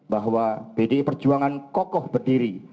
bahwa pdi perjuangan kokoh berdiri